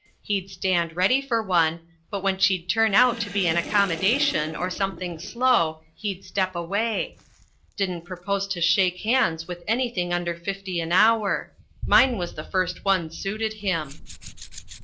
He'd stand ready for one, but when she'd turn out to be an accommodation or something slow he'd step away. Didn't propose to shake hands with anything under fifty an hour. Mine was the first one suited him."